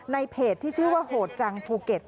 ในเพจที่ชื่อว่าโหดจังภูเก็ต